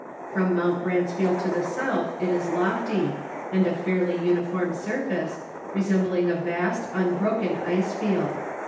From Mount Bransfield to the south it is lofty, and of fairly uniform surface, resembling a vast, unbroken ice field.